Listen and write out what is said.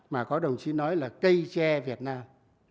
mà có đồng chí nói là cây tre việt nam